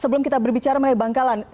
sebelum kita berbicara bangkalan